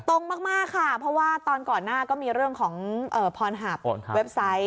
ตรงมากค่ะเพราะว่าตอนก่อนหน้าก็มีเรื่องของพรหับเว็บไซต์